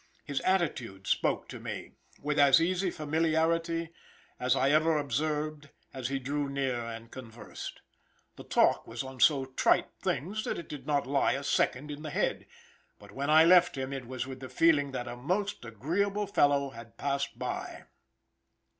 His attitude spoke to me; with as easy familiarity as I ever observed he drew rear and conversed. The talk was on so trite things that it did not lie a second in the head, but when I left him it was with the feeling that a most agreeable fellow had passed by.